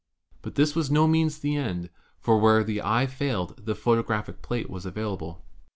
But this was by no means the end, for where the eye failed the photographic plate was available.